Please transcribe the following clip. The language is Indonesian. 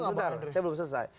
cukup mengganggu gak pak prinsip